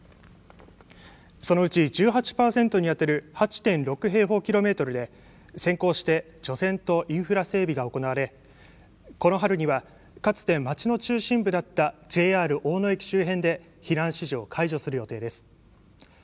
そのうち１８％に当たる８．６平方キロメートルで先行して除染とインフラ整備が行われこの春には、かつて町の中心部だったＪＲ大野駅周辺で避難指示を解除する予定です。